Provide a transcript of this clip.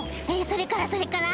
それからそれから？